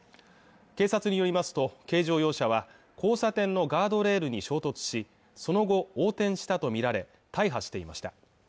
警察によりますと軽乗用車は交差点のガードレールに衝突しその後横転したと見られ大破していました